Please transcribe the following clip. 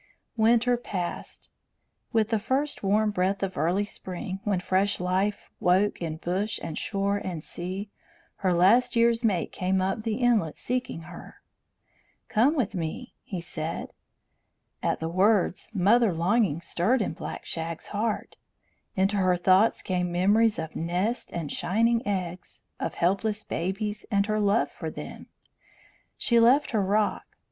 Winter passed. With the first warm breath of early spring, when fresh life woke in bush and shore and sea, her last year's mate came up the inlet seeking her. "Come with me," he said. At the words mother longings stirred in Black Shag's heart. Into her thoughts came memories of nest and shining eggs, of helpless babies, and her love for them. She left her rock.